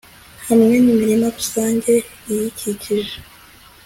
hamwe n'imirima rusange iyikikije